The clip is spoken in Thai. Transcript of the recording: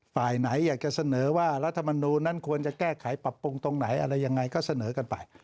ฝ่ายไหนอยากจะเสนอว่ารัฐมนูลนั้นควรจะแก้ไขปรับปรุงตรงไหนอะไรยังไงก็เสนอกันไป